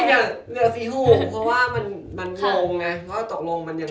เหนือฟีหูเพราะว่ามันตกลงไง